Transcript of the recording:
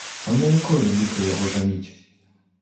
А на якое ліха яго жаніць?